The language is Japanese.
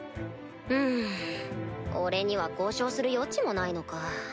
うん俺には交渉する余地もないのか。